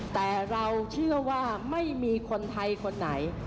แต่เราเชื่อว่าไม่มีคนไทยคนไหน